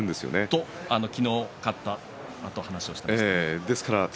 そう昨日勝ったあと話していました。